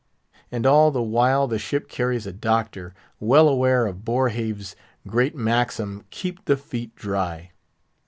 And all the while the ship carries a doctor, well aware of Boerhaave's great maxim "keep the feet dry."